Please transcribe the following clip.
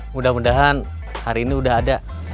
mudah mudahan hari ini udah ada